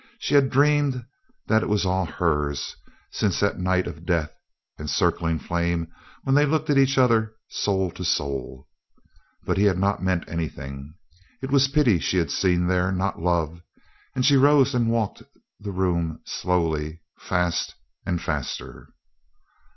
she had dreamed that it was all hers, since that night of death and circling flame when they looked at each other soul to soul. But he had not meant anything. It was pity she had seen there, not love; and she rose and walked the room slowly, fast and faster.